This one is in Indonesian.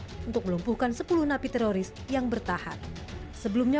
pendekatan halus untuk satu ratus empat puluh lima napi teroris yang berlangsung selama tiga puluh enam jam